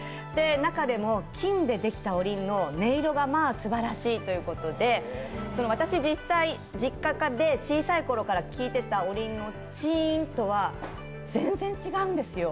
中でも金でできたおりんの音色がまあすばらしいということで、私、実際に実家で小さい頃から聞いていたチーンとは全然違うんですよ。